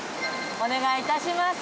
お願い致します。